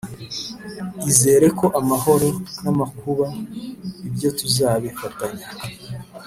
izere ko amahoro n` amakuba ibyo tuzabifatanya